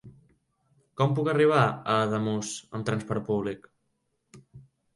Com puc arribar a Ademús amb transport públic?